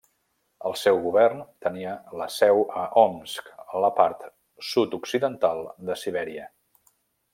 El seu govern tenia la seu a Omsk, a la part sud-occidental de Sibèria.